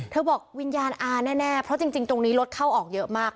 บอกวิญญาณอาแน่เพราะจริงตรงนี้รถเข้าออกเยอะมาก